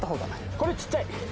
これ小っちゃい。